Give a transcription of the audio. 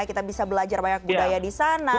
kita bisa belajar banyak budaya di sana